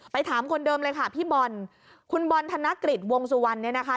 ถามคนเดิมเลยค่ะพี่บอลคุณบอลธนกฤษวงสุวรรณเนี่ยนะคะ